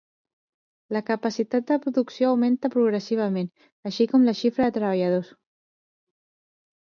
La capacitat de producció augmenta progressivament, així com la xifra de treballadors.